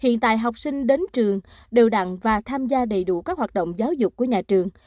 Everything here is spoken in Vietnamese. hiện tại học sinh đến trường đều đặn và tham gia đầy đủ các hoạt động giáo dục của nhà trường